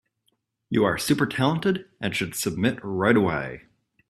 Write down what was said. You are super talented and should submit right away.